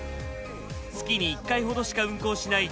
月に１回ほどしか運行しない